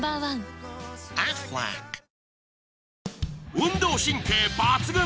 ［運動神経抜群！